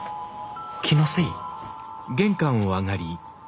気のせい？